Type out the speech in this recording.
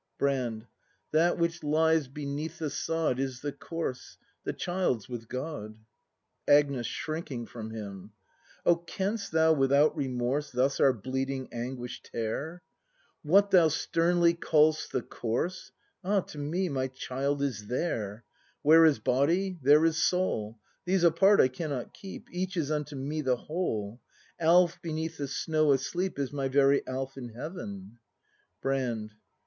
Brand, That which lies beneath the sod Is the corse; the child's with God. Agnes. [Shrinking from him.] Oh, canst thou without remorse Thus our bleeding anguish tear? What thou sternly call'st the corse — Ah, to me, my child is there! Where is body, there is soul: These apart I cannot keep. Each is unto me the whole; Alf beneath the snow asleep Is my very Alf in heaven! Brand.